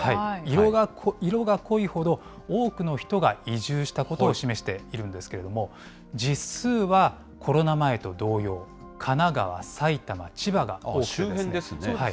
色が濃いほど、多くの人が移住したことを示しているんですけれども、実数はコロナ前と同様、神奈川、埼玉、千葉が多いですね。